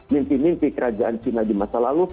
mimpi mimpi kerajaan china di masa lalu